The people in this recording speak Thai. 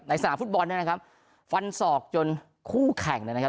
สนามฟุตบอลเนี่ยนะครับฟันศอกจนคู่แข่งเนี่ยนะครับ